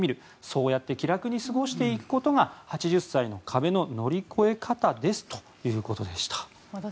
そうやって気楽に過ごしていくことが８０歳の壁の乗り越え方ですということでした。